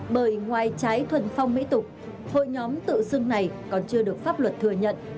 bởi ngoài trái thuần phong mỹ tục hội nhóm tự xưng này còn chưa được pháp luật thừa nhận